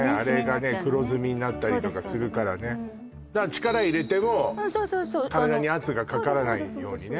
力入れても体に圧がかからないようにね